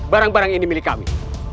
barang barang ini milik kami